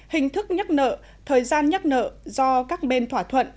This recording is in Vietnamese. hình thức nhắc nợ thời gian nhắc nợ do các bên thỏa thuận